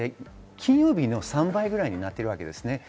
金曜日の３倍ぐらいになっています。